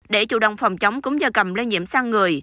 để chủ động phòng chống cúng da cầm le nhiệm sang người